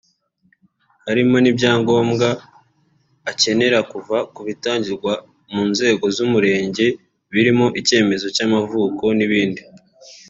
zirimo n’ibyangombwa akenera kuva ku bitangirwa mu nzego z’umurenge birimo icyemezo cy’amavuko n’ibindi